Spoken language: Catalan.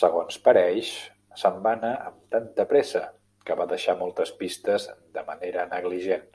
Segons pareix, se'n va anar amb tanta pressa que va deixar moltes pistes de manera negligent.